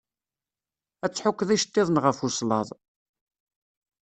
Ad tḥukkeḍ icettiḍen ɣef uslaḍ.